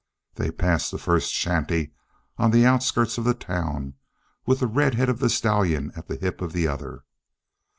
They passed the first shanty on the outskirts of the town with the red head of the stallion at the hip of the other.